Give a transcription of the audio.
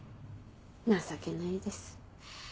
情けないです。